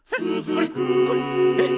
これこれえっ？